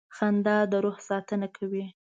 • خندا د روح ساتنه کوي.